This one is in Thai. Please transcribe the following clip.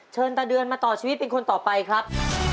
ตาเดือนมาต่อชีวิตเป็นคนต่อไปครับ